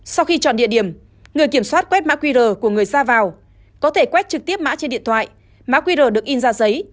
sau khi chọn địa điểm người kiểm soát quét mã qr của người ra vào có thể quét trực tiếp mã trên điện thoại mã qr được in ra giấy